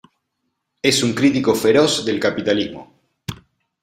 Es un crítico feroz del capitalismo.